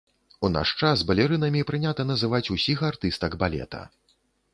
У наш час балерынамі прынята называць усіх артыстак балета.